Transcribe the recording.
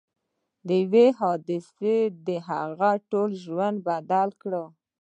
یوې حادثې د هغه ټول ژوند بدل کړ